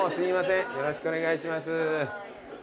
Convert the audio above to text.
よろしくお願いします。